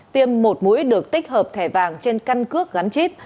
tiêm một mũi được tích hợp thẻ vàng trên căn cước gắn chip